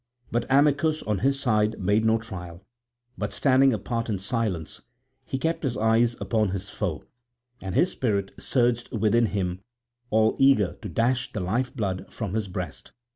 But Amycus on his side made no trial; but standing apart in silence he kept his eyes upon his foe, and his spirit surged within him all eager to dash the life blood from his breast.